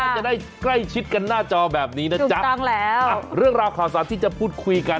จะได้ใกล้ชิดกันหน้าจอแบบนี้นะจ๊ะถูกต้องแล้วอ่ะเรื่องราวข่าวสารที่จะพูดคุยกัน